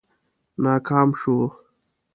ناکام شو.